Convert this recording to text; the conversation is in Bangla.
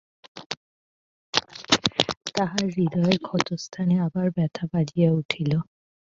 তাহার হৃদয়ের ক্ষতস্থানে আবার ব্যথা বাজিয়া উঠিল।